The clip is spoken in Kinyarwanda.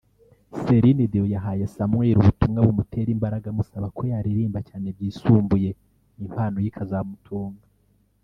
Celine Dion yahaye Samuel ubutumwa bumutera imbaraga amusaba ko yaririmba cyane byisumbuye impano ye ikazamutunga